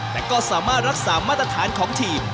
แต่ก็สามารถรักษามาตรฐานของทีม